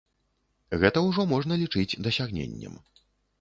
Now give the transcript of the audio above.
Гэта ўжо можна лічыць дасягненнем.